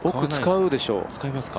奥、使うでしょう。